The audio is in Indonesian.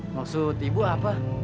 maksud ibu apa